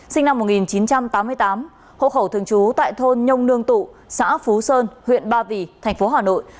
sinh năm một nghìn chín trăm tám mươi tám hộ khẩu thường trú tại thôn nhông nương tụ xã phú sơn huyện ba vỉ tp hà nội